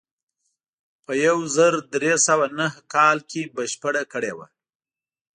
په یو زر درې سوه نهه کال کې بشپړه کړې وه.